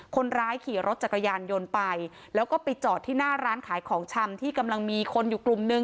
คนร้ายขี่รถจักรยานยนต์ไปแล้วก็ไปจอดที่หน้าร้านขายของชำที่กำลังมีคนอยู่กลุ่มนึง